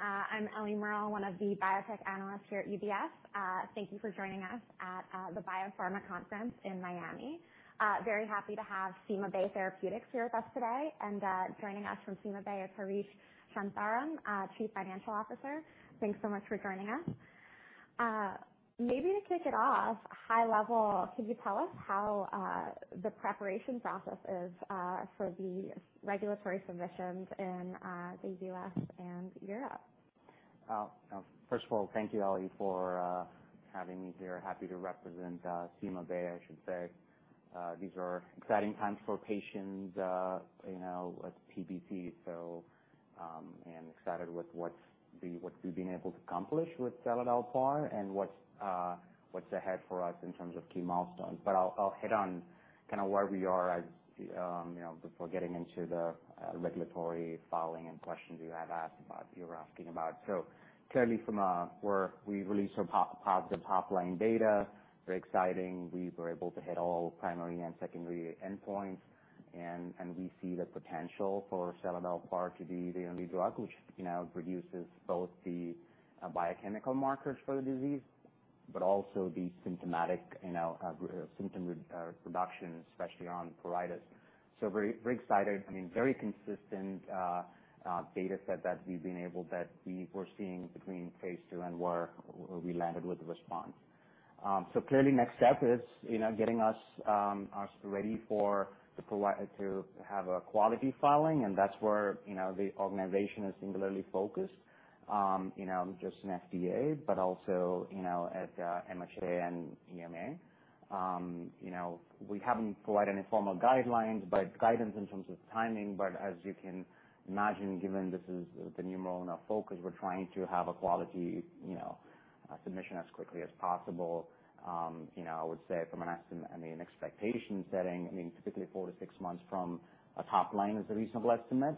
Hi, everyone. I'm Ellie Merle, one of the biotech analysts here at UBS. Thank you for joining us at the Biopharma Conference in Miami. Very happy to have CymaBay Therapeutics here with us today, and joining us from CymaBay is Harish Shantharam, Chief Financial Officer. Thanks so much for joining us. Maybe to kick it off, high level, could you tell us how the preparation process is for the regulatory submissions in the U.S. and Europe? First of all, thank you, Ellie, for having me here. Happy to represent CymaBay, I should say. These are exciting times for patients, you know, with PBC, so and excited with what we, what we've been able to accomplish with seladelpar and what, what's ahead for us in terms of key milestones. But I'll, I'll hit on kind of where we are as, you know, before getting into the regulatory filing and questions you have asked about, you were asking about. So clearly from where we released our positive top-line data, very exciting. We were able to hit all primary and secondary endpoints, and we see the potential for seladelpar to be the only drug which, you know, reduces both the biochemical markers for the disease, but also the symptomatic, you know, symptom reduction, especially on pruritus. So very, very excited. I mean, very consistent data set that we were seeing between phase two and where we landed with the response. So clearly, next step is, you know, getting us ready to have a quality filing, and that's where, you know, the organization is singularly focused. You know, just in FDA, but also, you know, at MHRA and EMA. You know, we haven't provided any formal guidelines, but guidance in terms of timing. But as you can imagine, given this is the NDA and our focus, we're trying to have a quality, you know, submission as quickly as possible. You know, I would say from an expectation setting, I mean, particularly 4-6 months from a top line is a reasonable estimate.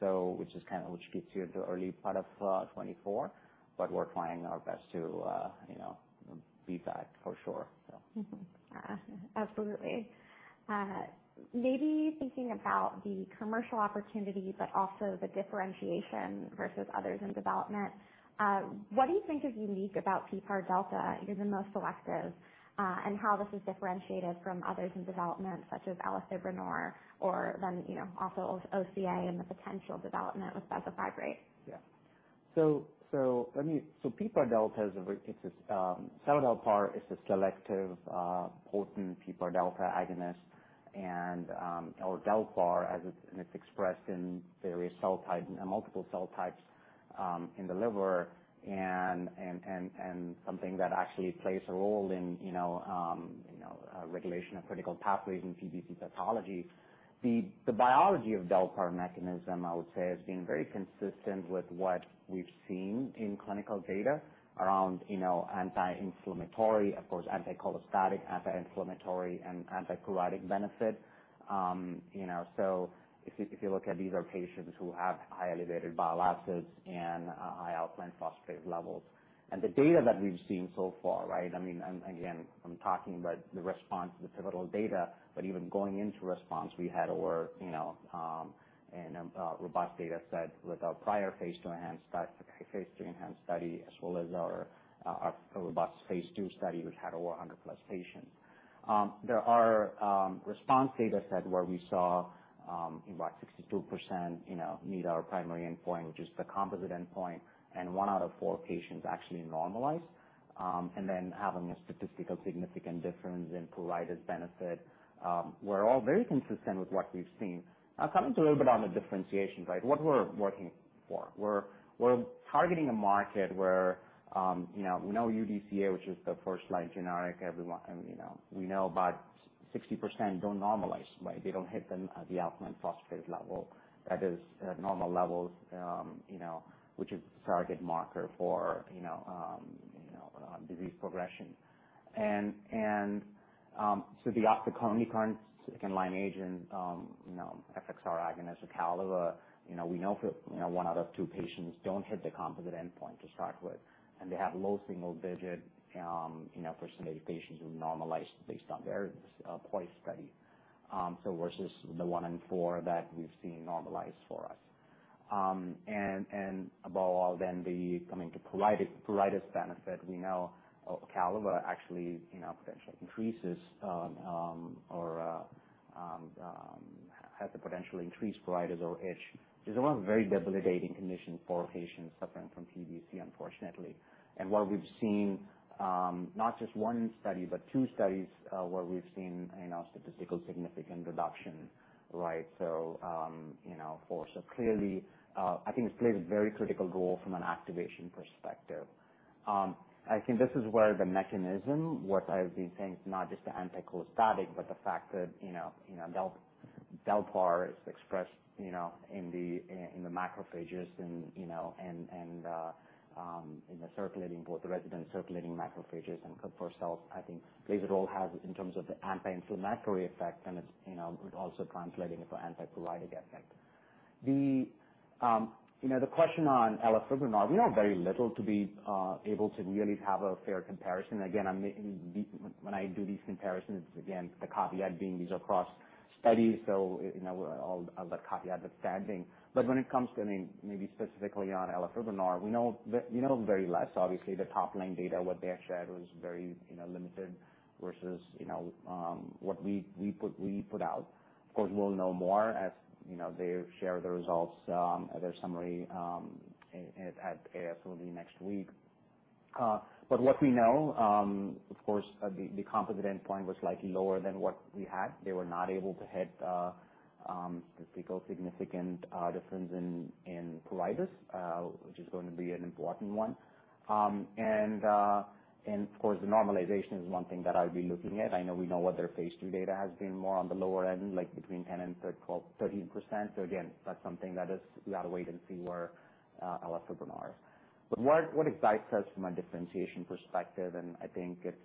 So, which is kind of, which gets you to the early part of 2024, but we're trying our best to, you know, beat that for sure, so. Mm-hmm. Absolutely. Maybe thinking about the commercial opportunity, but also the differentiation versus others in development, what do you think is unique about PPAR-δ, even the most selective, and how this is differentiated from others in development, such as elafibranor, or then, you know, also OCA and the potential development with bezafibrate? Yeah. So PPAR-δ is a very, it's a, seladelpar is a selective, potent PPAR-δ agonist, and, seladelpar as it's, and it's expressed in various cell types and multiple cell types, in the liver and, and, and, and something that actually plays a role in, you know, you know, regulation of critical pathways in PBC pathology. The biology of seladelpar mechanism, I would say, has been very consistent with what we've seen in clinical data around, you know, anti-inflammatory, of course, anticholestatic, anti-inflammatory, and anticollagenic benefit. You know, so if you look at these are patients who have high elevated bile acids and, high alkaline phosphatase levels. And the data that we've seen so far, right? I mean, and again, I'm talking about the RESPONSE, the pivotal data, but even going into RESPONSE, we had over, you know, robust data set with our prior phase II ENHANCE study, phase II ENHANCE study, as well as our robust phase II study, which had over 100+ patients. There are RESPONSE data set where we saw about 62%, you know, meet our primary endpoint, which is the composite endpoint, and one out of four patients actually normalized. And then having a statistically significant difference in pruritus benefit were all very consistent with what we've seen. Coming to a little bit on the differentiation, right? What we're working for. We're targeting a market where, you know, we know UDCA, which is the first-line generic. Everyone, you know, we know about 60% don't normalize, right? They don't hit them at the alkaline phosphatase level, that is at normal levels, you know, which is target marker for, you know, disease progression. And, so the only current second-line agent, you know, FXR agonist Ocaliva, you know, we know for, you know, one out of two patients don't hit the composite endpoint to start with, and they have low single-digit percentage of patients who normalize based on their POISE study. So versus the one in four that we've seen normalized for us. And above all, then coming to pruritus benefit, we know Ocaliva actually, you know, potentially increases or has the potential increased pruritus or itch, which is a very debilitating condition for patients suffering from PBC, unfortunately. And what we've seen, not just one study, but two studies, where we've seen, you know, statistically significant reduction, right? So, you know, so clearly, I think this plays a very critical role from an activation perspective. I think this is where the mechanism, what I've been saying, is not just the anticholestatic, but the fact that, you know, you know, seladelpar is expressed, you know, in the macrophages and, you know, and in the circulating, both the resident circulating macrophages and Kupffer cells, I think plays a role, has in terms of the anti-inflammatory effect, and it's, you know, it's also translating it for antipruritic effect. The, you know, the question on elafibranor, we know very little to be able to really have a fair comparison. Again, when I do these comparisons, again, the caveat being these are across studies, so, you know, all the caveat withstanding. But when it comes to, I mean, maybe specifically on elafibranor, we know the, we know very less. Obviously, the top-line data, what they have shared was very, you know, limited versus, you know, what we put out. Of course, we'll know more, as you know, they share the results at their summary at AASLD next week. But what we know, of course, the composite endpoint was likely lower than what we had. They were not able to hit the statistical significant difference in pruritus, which is going to be an important one. And of course, the normalization is one thing that I'll be looking at. I know we know what their phase II data has been more on the lower end, like between 10% and 12-13%. So again, that's something that we ought to wait and see where elafibranor is. But what excites us from a differentiation perspective, and I think it's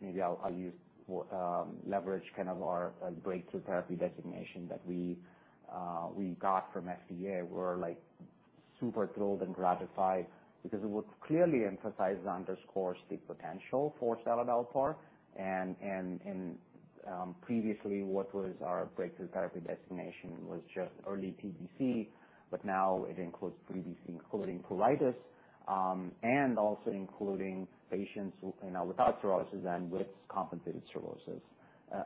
maybe I'll use leverage kind of our breakthrough therapy designation that we got from FDA. We're like super thrilled and gratified because it would clearly emphasize and underscore the potential for seladelpar. And previously what was our breakthrough therapy designation was just early PBC, but now it includes PBC including pruritus and also including patients who you know without cirrhosis and with compensated cirrhosis.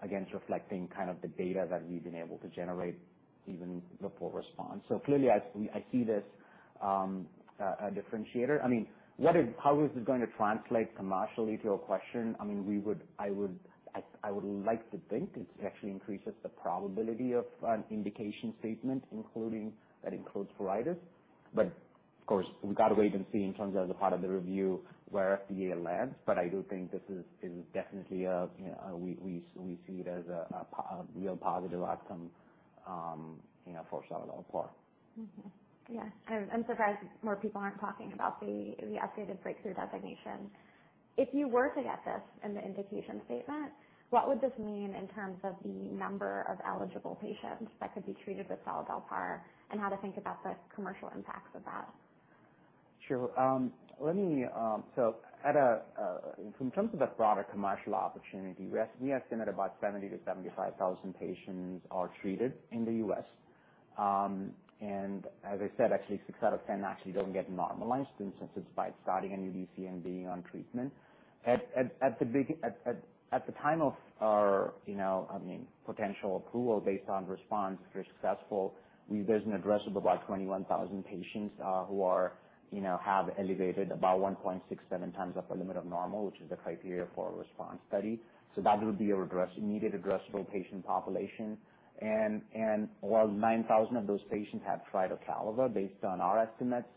Again reflecting kind of the data that we've been able to generate even the full response. So clearly I see this a differentiator. I mean what is how is this going to translate commercially to your question? I mean, I would like to think it actually increases the probability of an indication statement, including that includes pruritus. But of course, we've got to wait and see in terms of the part of the review where FDA lands. But I do think this is definitely a, you know, we see it as a real positive outcome, you know, for seladelpar. Mm-hmm. Yeah, I'm surprised more people aren't talking about the updated breakthrough designation. If you were to get this in the indication statement, what would this mean in terms of the number of eligible patients that could be treated with seladelpar, and how to think about the commercial impacts of that? Sure. Let me, so, in terms of the broader commercial opportunity, we estimate about 70,000-75,000 patients are treated in the U.S. And as I said, actually, six out of 10 actually don't get normalized instances by starting UDCA and being on treatment. At the time of our, you know, I mean, potential approval based on response, if we're successful, there's an addressable of about 21,000 patients, who are, you know, have elevated about 1.67x upper limit of normal, which is the criteria for a response study. So that would be an address, needed addressable patient population. And while 9,000 of those patients have tried Ocaliva, based on our estimates,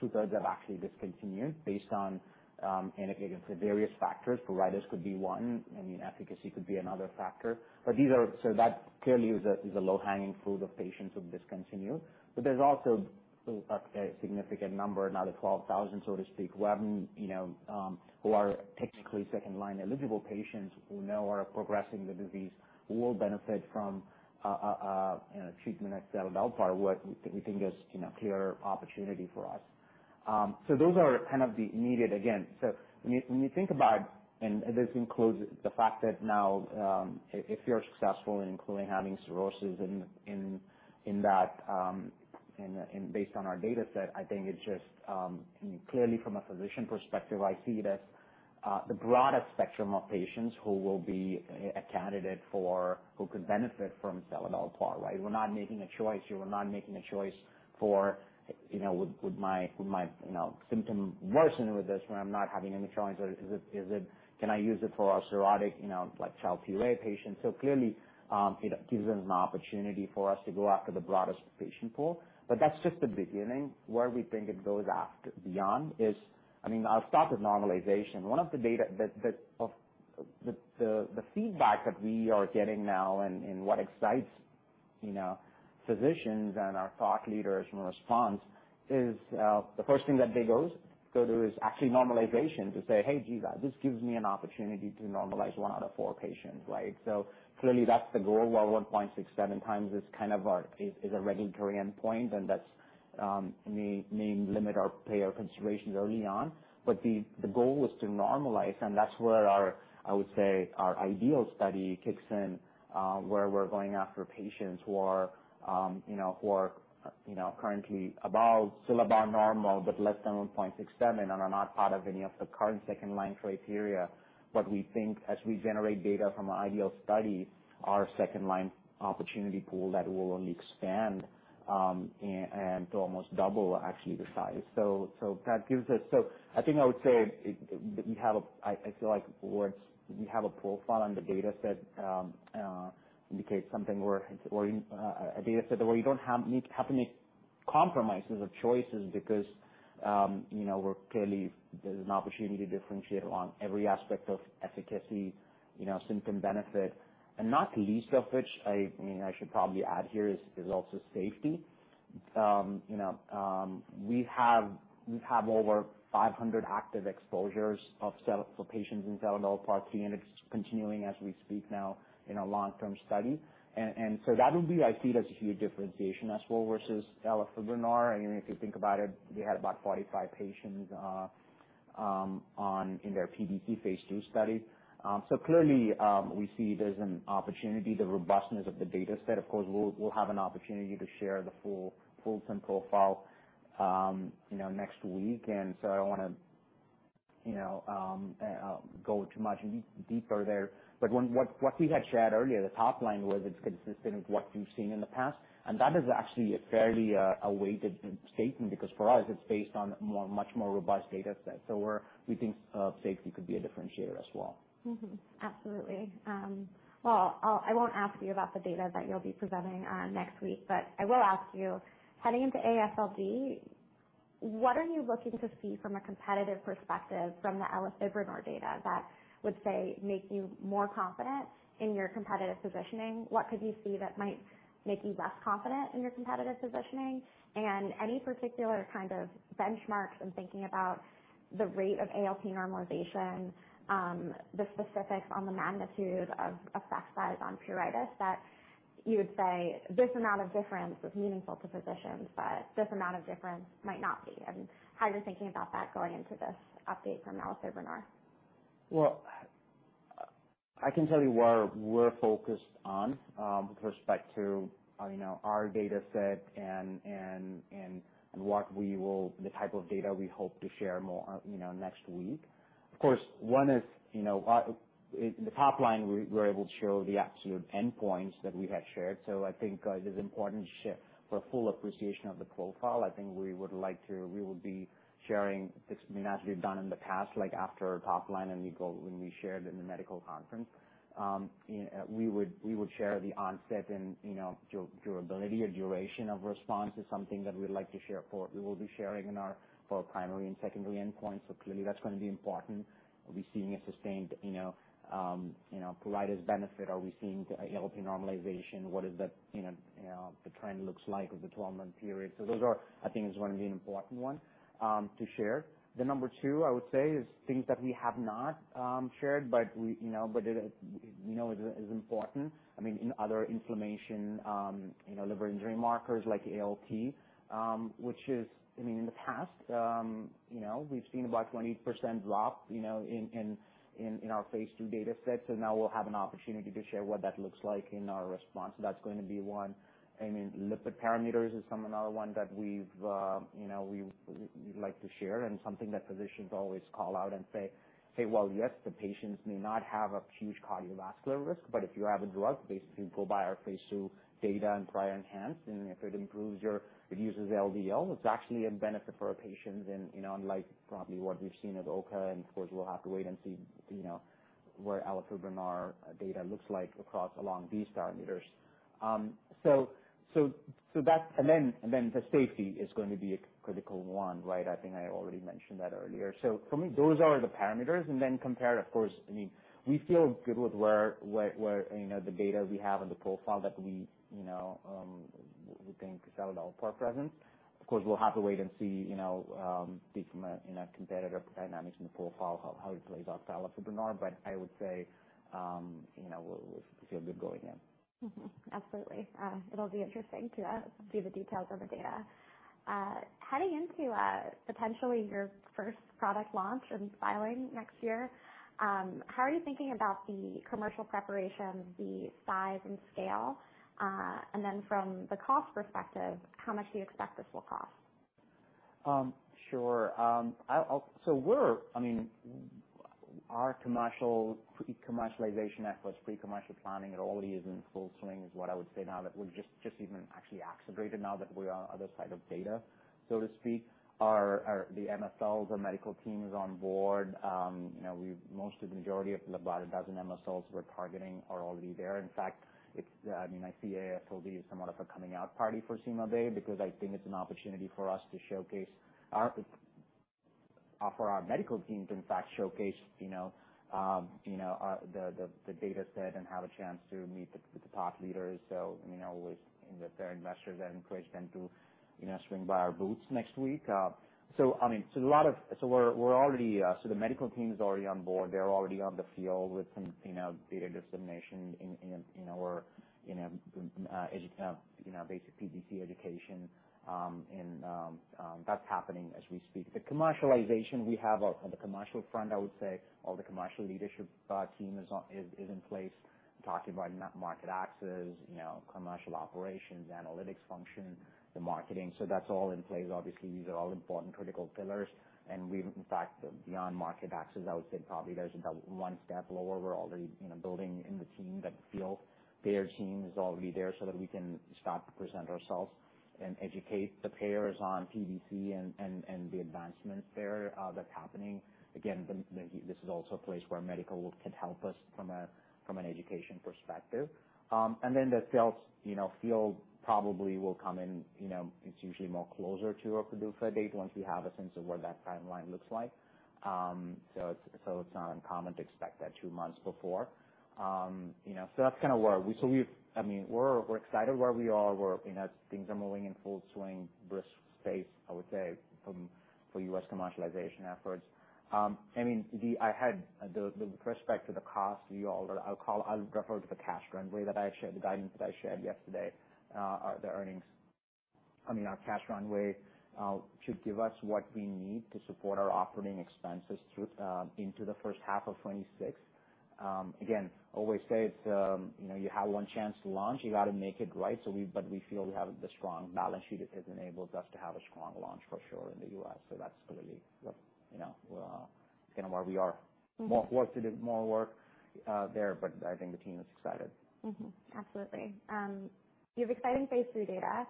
two-thirds have actually discontinued based on indicated to various factors. Pruritus could be one, I mean, efficacy could be another factor. But these are, so that clearly is a low-hanging fruit of patients who discontinue. But there's also a significant number, another 12,000, so to speak, who haven't, you know, who are technically second-line eligible patients who we know are progressing the disease, will benefit from a, you know, treatment like seladelpar, what we think is, you know, clear opportunity for us. So those are kind of the immediate, again. So when you think about, and this includes the fact that now, if you're successful in including having cirrhosis in that, based on our data set, I think it's just clearly from a physician perspective, I see this the broadest spectrum of patients who will be a candidate for, who could benefit from seladelpar, right? We're not making a choice. You are not making a choice for, you know, would my symptom worsen with this, where I'm not having any choice, or is it, can I use it for a cirrhotic, you know, like Child-Pugh A patient? So clearly, it gives us an opportunity for us to go after the broadest patient pool. But that's just the beginning. Where we think it goes after beyond is, I mean, I'll start with normalization. One of the data, the feedback that we are getting now and what excites you know physicians and our thought leaders from response is the first thing that they go to is actually normalization. To say, "Hey, jeez, this gives me an opportunity to normalize one out of four patients," right? So clearly, that's the goal, where 1.67x is kind of our is a regulatory endpoint, and that may limit our payer considerations early on. But the goal is to normalize, and that's where our, I would say, our ideal study kicks in, where we're going after patients who are, you know, currently above ULN, but less than 1.67x and are not part of any of the current second-line criteria. But we think as we generate data from an ideal study, our second-line opportunity pool, that will only expand, and to almost double actually the size. So that gives us. So I think I would say it. We have a profile and a data set, a data set that where you don't have to make compromises or choices because, you know, we're clearly, there's an opportunity to differentiate on every aspect of efficacy, you know, symptom benefit, and not least of which, I mean, I should probably add here, is also safety. You know, we have over 500 active exposures of seladelpar for patients in seladelpar B, and it's continuing as we speak now in our long-term study. And so that would be. I see it as a huge differentiation as well versus elafibranor. I mean, if you think about it, they had about 45 patients in their PBC phase II study. So clearly, we see there's an opportunity, the robustness of the data set. Of course, we'll have an opportunity to share the full profile, you know, next week, and so I don't wanna, you know, go too much deeper there. But what we had shared earlier, the top line was it's consistent with what we've seen in the past, and that is actually a fairly weighted statement because for us, it's based on much more robust data set. So we think safety could be a differentiator as well. Mm-hmm. Absolutely. Well, I'll, I won't ask you about the data that you'll be presenting next week, but I will ask you, heading into AASLD, what are you looking to see from a competitive perspective, from the elafibranor data that would, say, make you more confident in your competitive positioning? What could you see that might make you less confident in your competitive positioning? And any particular kind of benchmarks in thinking about the rate of ALP normalization, the specifics on the magnitude of effect size on pruritus, that you would say this amount of difference is meaningful to physicians, but this amount of difference might not be. I mean, how are you thinking about that going into this update from elafibranor? Well, I can tell you what we're focused on, with respect to, you know, our data set and what we will – the type of data we hope to share more, you know, next week. Of course, one is, you know, in the top line, we were able to show the absolute endpoints that we had shared. So I think it is important to share. For full appreciation of the profile, I think we would like to – we will be sharing this, as we've done in the past, like after our top line, and we go, when we shared in the medical conference. We would share the onset and, you know, durability or duration of response is something that we'd like to share for. We will be sharing in our, for primary and secondary endpoint, so clearly that's going to be important. Are we seeing a sustained, you know, pruritus benefit? Are we seeing ALP normalization? What is the, you know, the trend looks like of the 12-month period? So those are, I think is going to be an important one, to share. Then number two, I would say, is things that we have not, shared, but we, you know, but it, you know, is, is important. I mean, in other inflammation, liver injury markers like ALP, which is... I mean, in the past, we've seen about 20% drop, you know, in our phase II data sets, and now we'll have an opportunity to share what that looks like in our RESPONSE. That's going to be one. I mean, lipid parameters is some another one that we've, you know, we'd like to share and something that physicians always call out and say, "Well, yes, the patients may not have a huge cardiovascular risk," but if you have a drug, basically go by our phase II data and prior ENHANCE, and if it improves your, it uses LDL, it's actually a benefit for our patients and, you know, unlike probably what we've seen at OCA. And of course, we'll have to wait and see, you know, what alirocumab data looks like across, along these parameters. So that's - and then the safety is going to be a critical one, right? I think I already mentioned that earlier. So for me, those are the parameters. Then compare, of course, I mean, we feel good with what, you know, the data we have and the profile that we, you know, we think seladelpar presents. Of course, we'll have to wait and see, you know, from a competitive dynamics in the profile, how it plays out to elafibranor, but I would say, you know, we'll, we feel good going in. Mm-hmm. Absolutely. It'll be interesting to see the details of the data. Heading into potentially your first product launch and filing next year, how are you thinking about the commercial preparation, the size and scale? And then from the cost perspective, how much do you expect this will cost? Sure. I'll. So we're—I mean, our commercial, pre-commercialization efforts, pre-commercial planning, it already is in full swing, is what I would say now, that we've just even actually accelerated now that we are other side of data, so to speak. Our MSLs, our medical team is on board. You know, we've most of the majority of about 12 MSLs we're targeting are already there. In fact, it's, I mean, I see AASLD as somewhat of a coming out party for CymaBay, because I think it's an opportunity for us to showcase our for our medical teams, in fact, showcase, you know, the data set and have a chance to meet the top leaders. So, you know, with and their investors and encourage them to, you know, swing by our booths next week. So I mean, so a lot of... So we're already, so the medical team is already on board. They're already on the field with some, you know, data dissemination in our, you know, basic PBC education. And, that's happening as we speak. The commercialization we have on the commercial front, I would say, all the commercial leadership team is in place, talking about market access, you know, commercial operations, analytics function, the marketing. So that's all in place. Obviously, these are all important critical pillars, and we've, in fact, beyond market access, I would say probably there's about one step lower. We're already, you know, building out the field team that their team is already there so that we can start to present ourselves and educate the payers on PBC and the advancements there, that's happening. Again, this is also a place where medical can help us from an education perspective. And then the sales, you know, field probably will come in, you know, it's usually more closer to a PDUFA date once we have a sense of where that timeline looks like. So it's not uncommon to expect that two months before. You know, so that's kind of where we are. So we've, I mean, we're excited where we are. We're, you know, things are moving in full swing, brisk pace, I would say, for U.S. commercialization efforts. I mean, with respect to the cost, you all, I'll refer to the cash runway that I shared, the guidance that I shared yesterday, at the earnings. I mean, our cash runway should give us what we need to support our operating expenses through into the first half of 2026. Again, always say it's, you know, you have one chance to launch. You gotta make it right, so but we feel we have the strong balance sheet that has enabled us to have a strong launch for sure in the U.S. So that's clearly what, you know, kind of where we are. Mm-hmm. More work to do, more work, there, but I think the team is excited. Mm-hmm. Absolutely. You have exciting phase III data,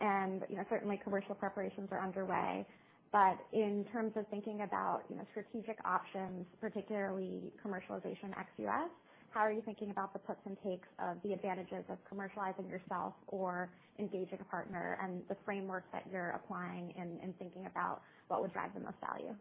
and, you know, certainly commercial preparations are underway. But in terms of thinking about, you know, strategic options, particularly commercialization ex-U.S., how are you thinking about the puts and takes of the advantages of commercializing yourself or engaging a partner, and the framework that you're applying in thinking about what would drive the most value?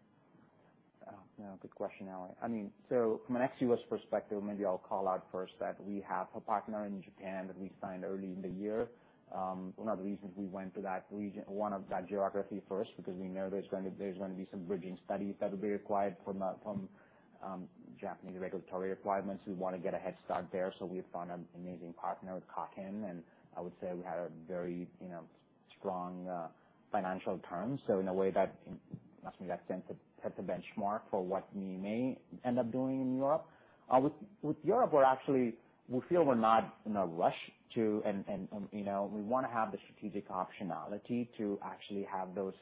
Good question, Ellie. I mean, so from an ex-U.S. perspective, maybe I'll call out first that we have a partner in Japan that we signed early in the year. One of the reasons we went to that region, one of that geography first, because we know there's gonna be some bridging studies that will be required from Japanese regulatory requirements. We wanna get a head start there, so we found an amazing partner with Kaken, and I would say we had a very, you know, strong financial terms. So in a way that, in that sense, it set the benchmark for what we may end up doing in Europe. With Europe, we're actually, we feel we're not in a rush to... You know, we wanna have the strategic optionality to actually have those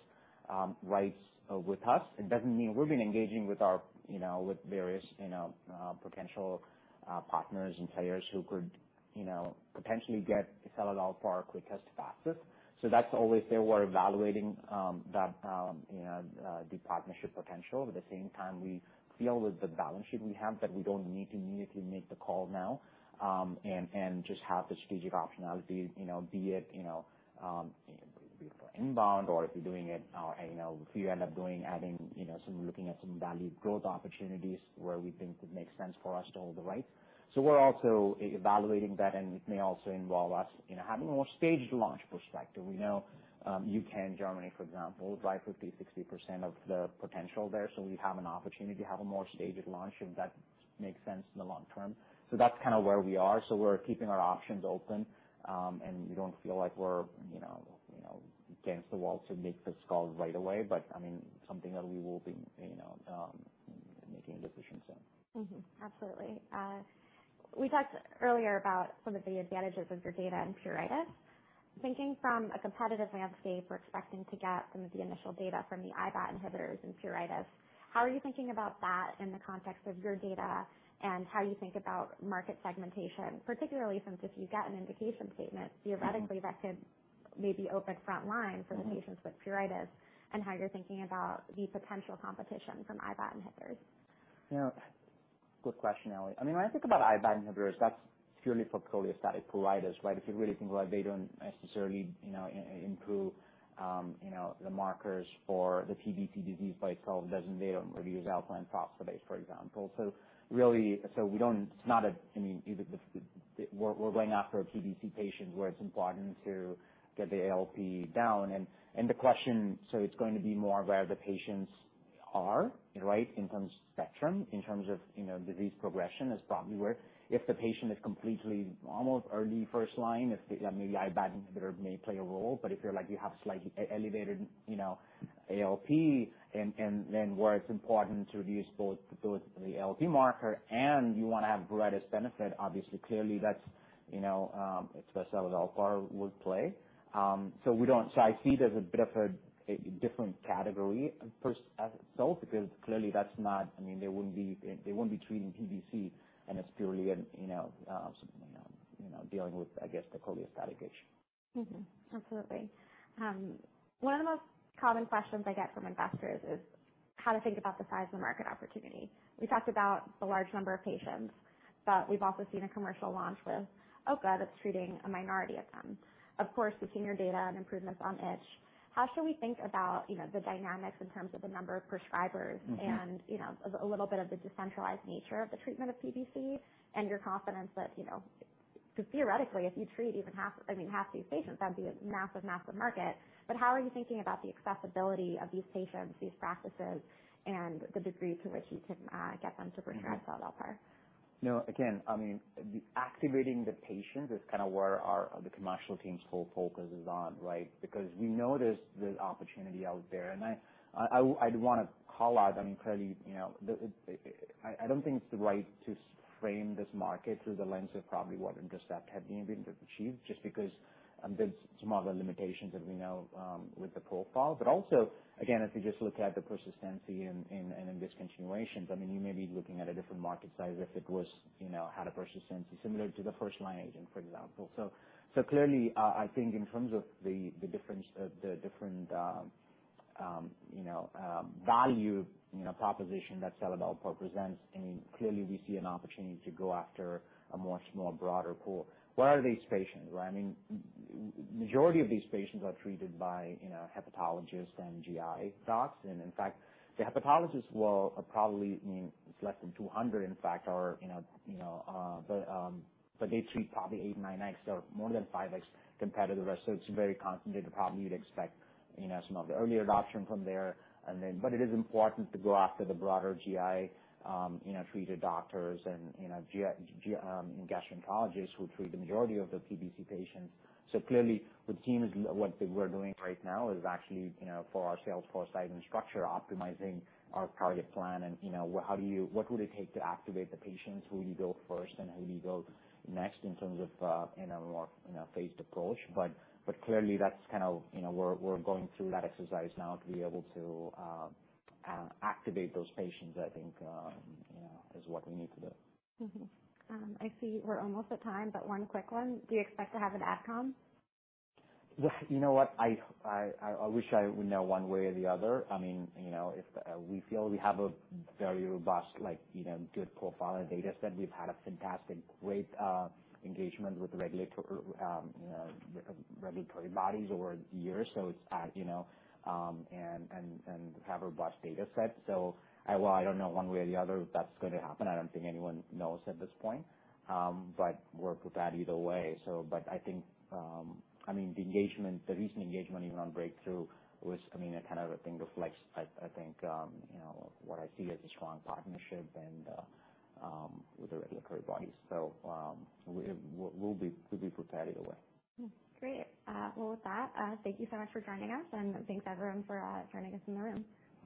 rights with us. It doesn't mean we've been engaging with our, you know, with various, you know, potential partners and players who could, you know, potentially get seladelpar quick as faster. So that's always there. We're evaluating that, you know, the partnership potential. At the same time, we feel that the balance sheet we have, that we don't need to immediately make the call now, and just have the strategic optionality, you know, be it, you know, be it for inbound or if you're doing it, or, you know, if you end up doing, adding, you know, some, looking at some value growth opportunities where we think it makes sense for us to own the rights. So we're also evaluating that, and it may also involve us, you know, having a more staged launch perspective. We know, U.K. and Germany, for example, drive 50%-60% of the potential there, so we have an opportunity to have a more staged launch if that makes sense in the long term. So that's kind of where we are. So we're keeping our options open, and we don't feel like we're, you know, you know, against the wall to make this call right away, but, I mean, something that we will be, you know, making a decision soon. Mm-hmm. Absolutely. We talked earlier about some of the advantages of your data in pruritus. Thinking from a competitive landscape, we're expecting to get some of the initial data from the IBAT inhibitors in pruritus. How are you thinking about that in the context of your data, and how you think about market segmentation? Particularly since if you get an indication statement, theoretically, that could maybe open front line for the patients with pruritus, and how you're thinking about the potential competition from IBAT inhibitors? You know, good question, Ellie. I mean, when I think about IBAT inhibitors, that's purely for cholestatic pruritus, right? If you really think about it, they don't necessarily, you know, improve, you know, the markers for the PBC disease by itself. They don't reduce alkaline phosphatase, for example. So really, it's not a. I mean, we're going after a PBC patient, where it's important to get the ALP down. And the question, so it's going to be more where the patients are, right, in terms of spectrum, in terms of, you know, disease progression is probably where if the patient is completely almost early first line, if maybe IBAT inhibitor may play a role, but if you're like, you have slightly elevated, you know, ALP and then where it's important to reduce both the ALP marker and you wanna have greatest benefit, obviously, clearly that's, you know, it's where seladelpar would play. So we don't. So I see it as a bit of a different category first as itself, because clearly that's not, I mean, they wouldn't be, they won't be treating PBC and it's purely an, you know, you know, you know, you know, dealing with, I guess, the cholestatic itch. Mm-hmm. Absolutely. One of the most common questions I get from investors is how to think about the size of the market opportunity. We talked about the large number of patients, but we've also seen a commercial launch with Ocaliva that's treating a minority of them. Of course, we've seen your data and improvements on itch. How should we think about, you know, the dynamics in terms of the number of prescribers. Mm-hmm. And, you know, a little bit of the decentralized nature of the treatment of PBC and your confidence that, you know - 'cause theoretically, if you treat even half, I mean, half these patients, that'd be a massive, massive market. But how are you thinking about the accessibility of these patients, these practices, and the degree to which you can get them to prescribe seladelpar? No, again, I mean, the activating the patients is kind of where our, the commercial team's whole focus is on, right? Because we know there's this opportunity out there, and I, I'd want to call out, I mean, clearly, you know, I don't think it's the right to frame this market through the lens of probably what Intercept had been able to achieve, just because there's some of the limitations as we know with the profile. But also, again, if you just look at the persistency and discontinuation, I mean, you may be looking at a different market size if it was, you know, had a persistency similar to the first line agent, for example. So clearly, I think in terms of the different value proposition that seladelpar presents, I mean, clearly we see an opportunity to go after a much more broader pool. Where are these patients, right? I mean, majority of these patients are treated by, you know, hepatologists and GI docs, and in fact, the hepatologists are probably, I mean, it's less than 200, in fact, but they treat probably 8x-9x or more than 5x compared to the rest. So it's a very concentrated problem. You'd expect, you know, some of the early adoption from there. It is important to go after the broader GI, you know, treated doctors and, you know, GI, gastroenterologists who treat the majority of the PBC patients. So clearly, the team is, what we're doing right now is actually, you know, for our sales force site and structure, optimizing our target plan and, you know, how do you-- what would it take to activate the patients? Who do you go first and who do you go next in terms of, in a more, you know, phased approach? But clearly, that's kind of... You know, we're going through that exercise now to be able to, activate those patients, I think, you know, is what we need to do. Mm-hmm. I see we're almost at time, but one quick one. Do you expect to have an adcom? You know what? I wish I would know one way or the other. I mean, you know, if we feel we have a very robust, like, you know, good profile and data set. We've had a fantastic, great engagement with the regulatory, you know, regulatory bodies over years. So it's, you know, and have a robust data set. So I well, I don't know one way or the other if that's going to happen. I don't think anyone knows at this point, but we're prepared either way. So but I think, I mean, the engagement, the recent engagement, even on breakthrough was, I mean, a kind of a thing reflects, I think, you know, what I see as a strong partnership and with the regulatory bodies. So, we'll be prepared either way. Great. Well, with that, thank you so much for joining us, and thanks, everyone, for joining us in the room.